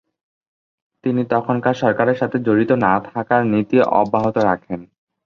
তিনি তখনকার সরকারের সাথে জড়িত না থাকার নীতি অব্যাহত রাখেন।